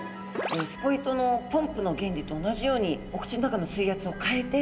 スポイトのポンプの原理と同じようにお口の中の水圧を変えて吸い込んでるようです。